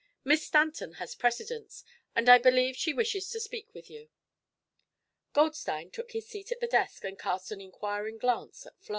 "Miss Stanton has precedence, and I believe she wishes to speak with you." Goldstein took his seat at the desk and cast an inquiring glance at Flo.